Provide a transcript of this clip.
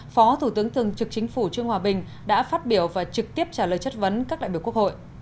phó thủ tướng thường trực chính phủ trương hòa bình đã phát biểu và trực tiếp trả lời chất vấn các đại biểu quốc hội